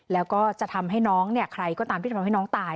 แล้วก็จะทำให้น้องเนี่ยใครก็ตามที่ทำให้น้องตาย